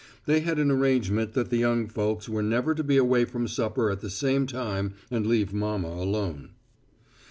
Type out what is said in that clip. They had an arrangement that the young folks were never to be away from supper at the same time and leave mama alone.